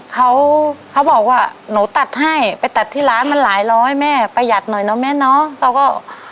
เขาเขาบอกว่าหนูตัดให้ไปตัดที่ร้านมันหลายร้อยแม่ประหยัดหน่อยเนอะแม่เนาะเขาก็